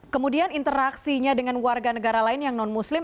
kemudian interaksinya dengan warga negara lain yang non muslim